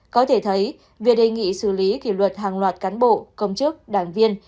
có thể thấy việc đề nghị xử lý kỷ luật hàng loạt cán bộ công chức đảng viên